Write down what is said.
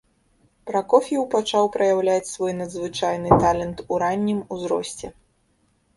Пракоф'еў пачаў праяўляць свой надзвычайны талент у раннім узросце.